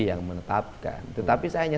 yang menetapkan tetapi saya hanya